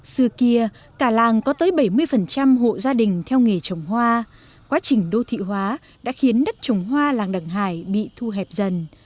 xưa kia cả làng có tới bảy mươi hộ gia đình theo nghề trồng hoa quá trình đô thị hóa đã khiến đất trồng hoa làng đằng hải bị thu hẹp dần